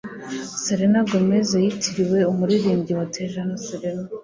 selena gomez yitiriwe umuririmbyi wa tejano selena